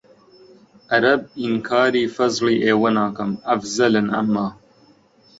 عەرەب ئینکاری فەزڵی ئێوە ناکەم ئەفزەلن ئەمما